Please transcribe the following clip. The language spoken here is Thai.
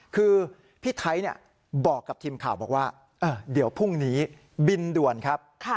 คือพี่ไทยบอกกับทีมข่าวบอกว่าเดี๋ยวพรุ่งนี้บินด่วนครับ